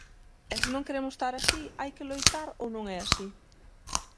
E se non queremos estar así, hai que loitar, ou non é así?